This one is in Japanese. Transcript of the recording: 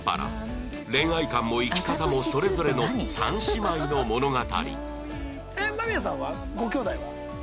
恋愛観も生き方もそれぞれの三姉妹の物語